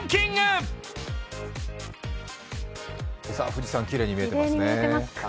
富士山きれいに見えてますね。